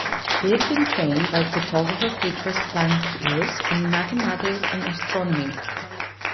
He had been trained by cartographer Petrus Plancius in mathematics and astronomy.